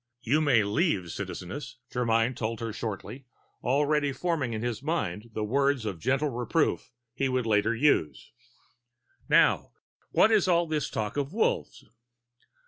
"You may leave, Citizeness," Germyn told her shortly, already forming in his mind the words of gentle reproof he would later use. "Now what is all this talk of Wolves?"